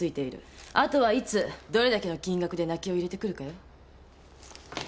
後はいつどれだけの金額で泣きを入れてくるかよ。